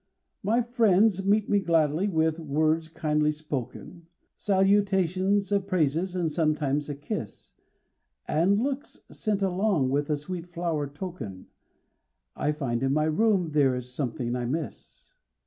My friends meet me gladly with words kindly spoken, Salutations of praises and sometimes a kiss, And looks sent along with a sweet flower token. I find in my room there is something I miss.